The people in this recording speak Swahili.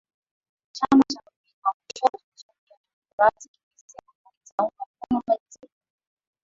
chama cha mrengo wa kushoto cha new democratic kimesema hakitaunga mkono bajeti hiyo